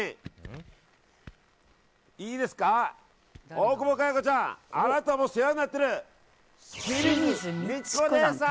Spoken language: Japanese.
大久保佳代子ちゃんあなたも世話になってる清水ミチコ姉さん！